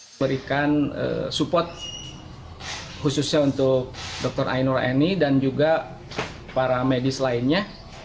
memberikan support khususnya untuk dr ainur ani dan juga para medis lainnya